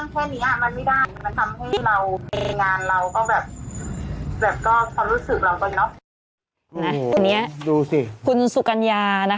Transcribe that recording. นะเดี๋ยว้าวนะแบบนี้ดูสิคุณซุกัญญานะคะ